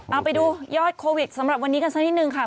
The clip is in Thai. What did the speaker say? เอาไปดูยอดโควิดสำหรับวันนี้กันสักนิดนึงค่ะ